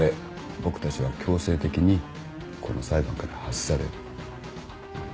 僕たちは強制的にこの裁判から外される。